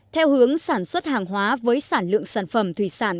theo hướng sản xuất hàng hóa với sản lượng sản phẩm thủy sản